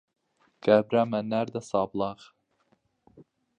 کابرامان ناردە سابڵاغ.